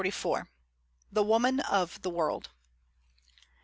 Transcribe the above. THE WOMAN OF THE WORLD.